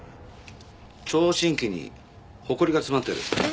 聴診器にホコリが詰まってる。